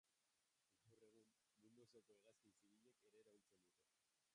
Gaur egun, mundu osoko hegazkin zibilek ere erabiltzen dute.